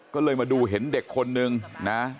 ก็เลยมาดูเห็นเด็กคนนึงนะ